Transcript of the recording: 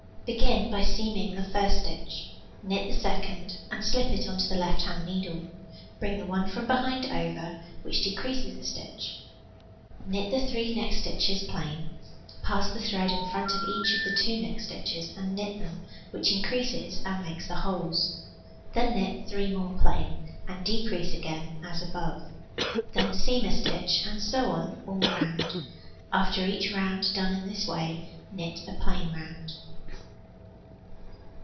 Begin by seaming the first stitch, knit the second, and slip it on the left hand needle, bring the 1 from behind over, which decreases a stitch; knit the 3 next stitches plain, pass the thread in front of each of the 2 next stitches and knit them, which increases and makes the holes; then knit 3 more plain, and decrease again as above; then seam a stitch; and so on all round: after each round done in this way, knit a plain round.